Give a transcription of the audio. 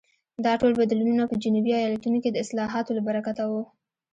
دا ټول بدلونونه په جنوبي ایالتونو کې د اصلاحاتو له برکته وو.